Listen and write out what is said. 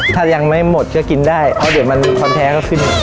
ถ้ายังไม่หมดก็กินได้เพราะเดี๋ยวมันความแท้ก็ขึ้น